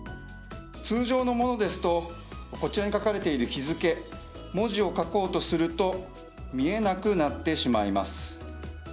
通常のものですと、こちらに書かれている日付、文字を書こうとすると見えなくなってしまいます。